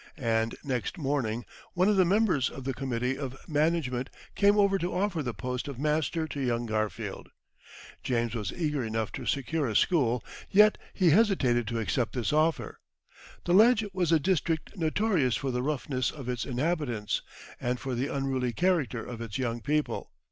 And next morning one of the members of the committee of management came over to offer the post of master to young Garfield. James was eager enough to secure a school, yet he hesitated to accept this offer. The Ledge was a district notorious for the roughness of its inhabitants, and for the unruly character of its young people.